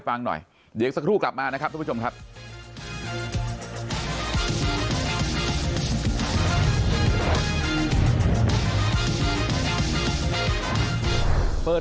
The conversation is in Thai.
ปากกับภาคภูมิ